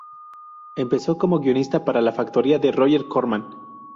Empezó como guionista para la factoría de Roger Corman.